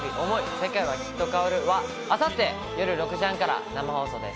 世界は、きっと変わる。』は明後日、土曜日夜６時３０分から生放送です。